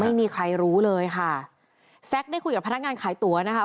ไม่มีใครรู้เลยค่ะแซ็กได้คุยกับพนักงานขายตั๋วนะคะ